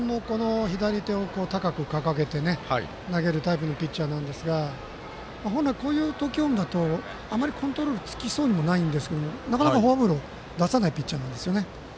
小野君は左手を高く掲げて投げるタイプのピッチャーなんですが本来、こういう投球フォームだとあまりコントロールつきそうもないんですがフォアボールをなかなか出さないピッチャーなんです。